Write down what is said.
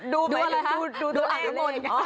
ดูอะไรครับดูตัวอาจารย์หมด